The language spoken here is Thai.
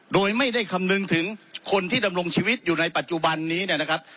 โดยไม่ได้คำนึงถึงคนที่ดำรงชีวิตอยู่ในปัจจุบันนี้เนี่ยนะครับ